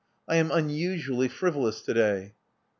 I am unusually frivolous to day."